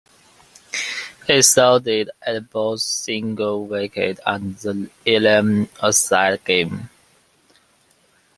He excelled at both single wicket and the eleven-a-side game.